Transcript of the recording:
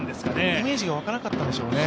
イメージが沸かなかったんでしょうね。